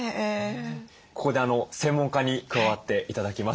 ここで専門家に加わって頂きます。